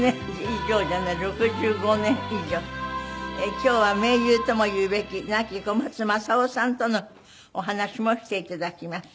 今日は盟友ともいうべき亡き小松政夫さんとのお話もして頂きます。